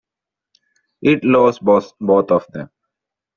It lost both of them.